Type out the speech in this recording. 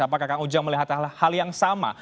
apakah kang ujang melihat hal yang sama